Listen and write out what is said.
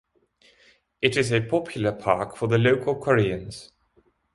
It is a popular park for the local Koreans.